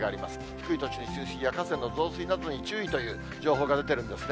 低い土地の浸水や、河川の増水などに注意という情報が出てるんですね。